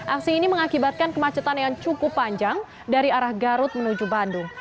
aksi ini mengakibatkan kemacetan yang cukup panjang dari arah garut menuju bandung